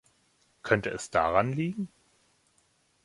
Könnte es daran liegen?